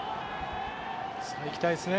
いきたいですね